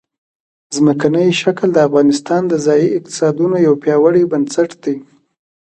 ځمکنی شکل د افغانستان د ځایي اقتصادونو یو پیاوړی بنسټ دی.